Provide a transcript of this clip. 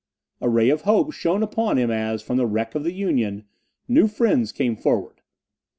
A ray of hope shone upon him as, from the wreck of the Union, new friends came forward.